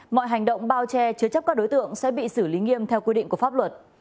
mọi hành động bao che chứa chấp các đối tượng sẽ bị xử lý nghiêm theo quy định của pháp luật